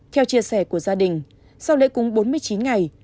theo chia sẻ của gia đình sau lễ cúng bốn mươi chín ngày